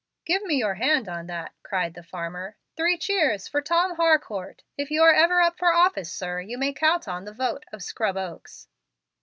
"Give me your hand on that," cried the farmer. "Three cheers for Tom Harcourt. If you are ever up for office, sir, you may count on the vote of Scrub Oaks."